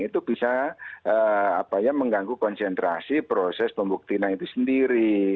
itu bisa mengganggu konsentrasi proses pembuktian itu sendiri